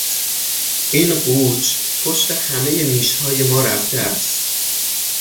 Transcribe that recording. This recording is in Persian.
این قوچ پشت همهی میش های ما رفته است.